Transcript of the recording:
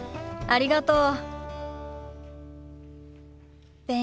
ありがとう。